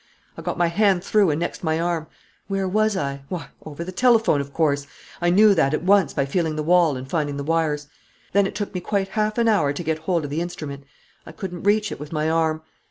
"I got my hand through and next my arm. Where was I? Why, over the telephone, of course! I knew that at once by feeling the wall and finding the wires. Then it took me quite half an hour to get hold of the instrument. I couldn't reach it with my arm.